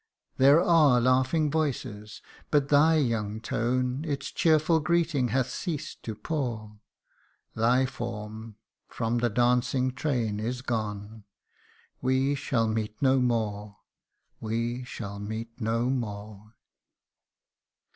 There are laughing voices, but thy young tone Its cheerful greeting hath ceased to pour ; Thy form from the dancing train is gone We shall meet no more ! we shall meet no more